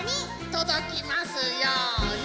とどきますように。